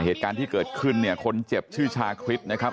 เหตุการณ์ที่เกิดขึ้นเนี่ยคนเจ็บชื่อชาคริสนะครับ